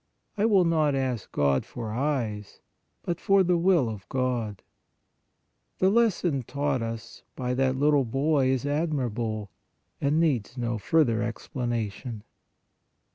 I will not ask God for eyes, but for the will of God." The lesson taught us by that little boy is admirable and needs no fur ther explanation.